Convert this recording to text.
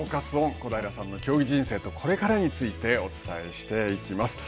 小平さんの競技人生とこれからについてお伝えしていきます。